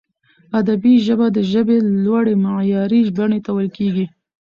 ادبي ژبه د ژبي لوړي معیاري بڼي ته ویل کیږي.